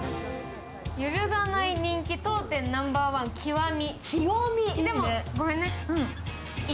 揺るがない人気、当店ナンバーワン、極み。